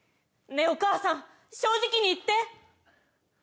ねぇお母さん正直に言って。